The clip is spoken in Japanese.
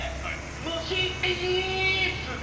「もしいつか」